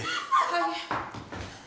はい。